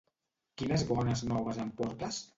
Quines bones noves em portes?